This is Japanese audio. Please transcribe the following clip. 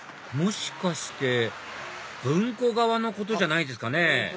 もしかして文庫革のことじゃないですかね